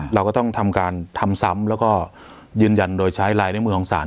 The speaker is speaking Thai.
เราก็ต้องทำการทำซ้ำแล้วก็ยืนยันโดยใช้ลายนิ้วมือของสาร